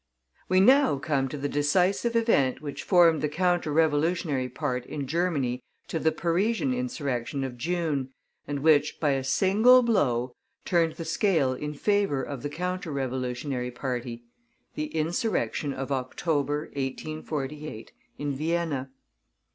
We now come to the decisive event which formed the counter revolutionary part in Germany to the Parisian insurrection of June, and which, by a single blow, turned the scale in favor of the Counter Revolutionary party, the insurrection of October, 1848, in Vienna.